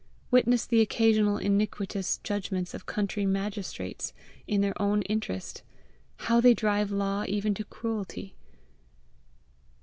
Witness the occasionally iniquitous judgments of country magistrates in their own interest how they drive law even to cruelty!